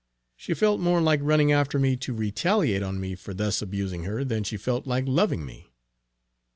She felt more like running after me to retaliate on me for thus abusing her, than she felt like loving me.